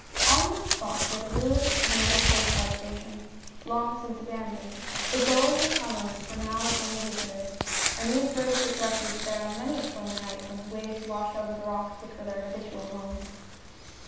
On this spot were the ruins of an old Coast Guard station — long since abandoned — the gulls and cormorants were now its only visitors, and these birds took refuge there on many a stormy night when the waves washed over the rocks which were their habitual homes.